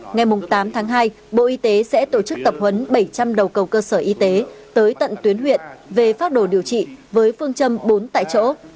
ngày tám tháng hai bộ y tế sẽ tổ chức tập huấn bảy trăm linh đầu cầu cơ sở y tế tới tận tuyến huyện về phát đồ điều trị với phương châm bốn tại chỗ